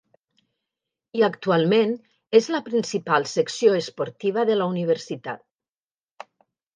I actualment és la principal secció esportiva de la universitat.